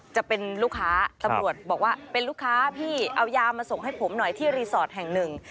จะเป็นลูกค้าตำรวจบอกว่าเป็นลูกค้าพี่เอายามาส่งให้ผมหน่อยที่รีสอร์ทแห่งหนึ่ง